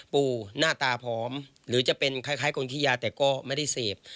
ปูหน้าตาผอมหรือจะเป็นคล้ายคนขี้ยาแต่ก็ไม่ได้เสพ